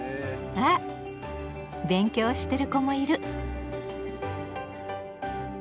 あ勉強してる子もいる！